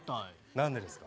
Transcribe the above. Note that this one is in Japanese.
何でですか？